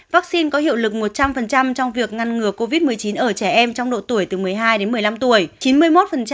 vắc xin có hiệu lực một trăm linh trong việc ngăn ngừa covid một mươi chín ở trẻ em trong độ tuổi từ một mươi hai đến một mươi năm tuổi